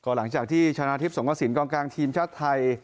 หลังจากที่ชนะทิศสงสินกลางทีมชาติไทย